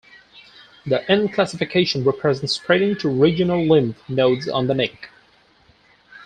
The N classification represents spreading to regional lymph nodes on the neck.